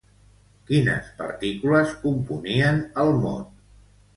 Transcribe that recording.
Quines partícules componien el mot?